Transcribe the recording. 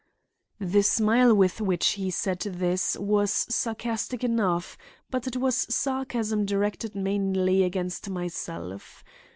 The smile with which he said this was sarcastic enough, but it was sarcasm directed mainly against himself.